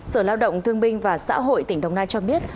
sở lao động thương binh và xã hội tỉnh đồng nai cho biết